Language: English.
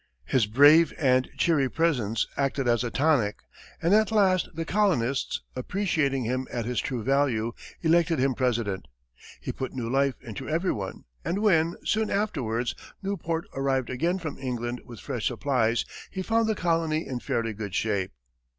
His brave and cheery presence acted as a tonic, and at last the colonists, appreciating him at his true value, elected him president. He put new life into everyone, and when, soon afterwards, Newport arrived again from England with fresh supplies, he found the colony in fairly good shape.